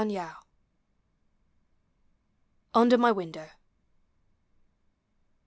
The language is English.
130 UNDER MY WINDOW.